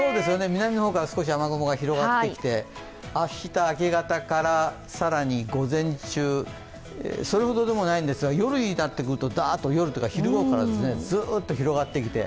南の方から少し雨雲が広がってきて、明日明け方から、更に午前中、それほどでもないんですが、昼ごろからずっと広がってきて。